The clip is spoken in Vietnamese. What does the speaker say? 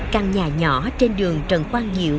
căn nhà nhỏ trên đường trần quang diệu